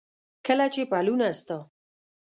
کله چې پلونه ستا،